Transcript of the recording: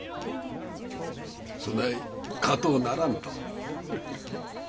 そない硬うならんと。